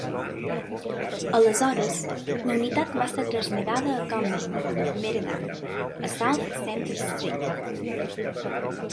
Aleshores la unitat va ser traslladada a Cumberland, Maryland, a South Centre Street.